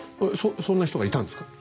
そんな人がいたんですか？